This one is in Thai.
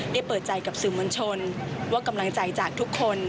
เปิดใจกับสื่อมวลชนว่ากำลังใจจากทุกคน